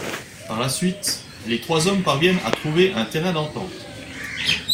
Par la suite, les trois hommes parviennent à trouver un terrain d'entente.